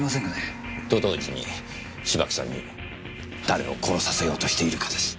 と同時に芝木さんに誰を殺させようとしているかです。